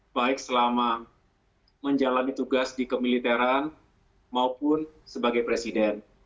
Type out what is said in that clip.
baik selama menjalani tugas di kemiliteran maupun sebagai presiden